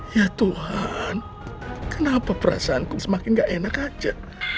ya tuhan kenapa perasaanku semakin gak enak aja